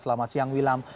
selamat siang wilam